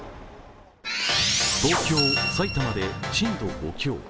東京・埼玉で震度５強。